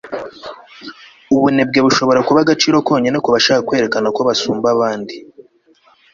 ubunebwe bushobora kuba agaciro konyine kubashaka kwerekana ko basumba abandi